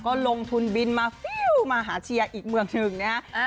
ก็ลงทุนบินมามาหาเชียร์อีกเมืองหนึ่งเนี้ยอ่า